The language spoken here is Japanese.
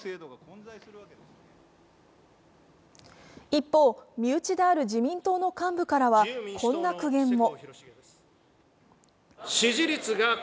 一方、身内である自民党の幹部からはこんな苦言も。